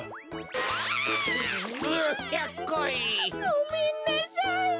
ごめんなさい！